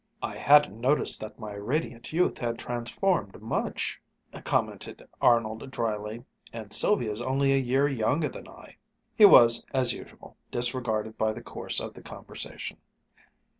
"I hadn't noticed that my radiant youth had transformed much," commented Arnold dryly; "and Sylvia's only a year younger than I." He was, as usual, disregarded by the course of the conversation.